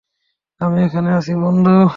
আমি এখানেই আছি, বন্ধু!